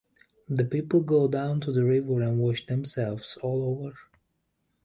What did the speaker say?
The people go down to the river and wash themselves all over.